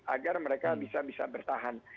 agar mereka bisa bisa bertahan